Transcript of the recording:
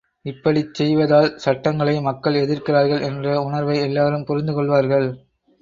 இப்படிச் செய்வதால் சட்டங்களை மக்கள் எதிர்க்கிறார்கள் என்ற உணர்வை எல்லாரும் புரிந்து கொள்வார்கள்.